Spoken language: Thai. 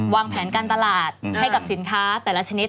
วางแผนการตลาดให้กับสินค้าแต่ละชนิด